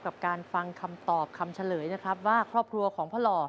กับการฟังคำตอบคำเฉลยนะครับว่าครอบครัวของพ่อหล่อ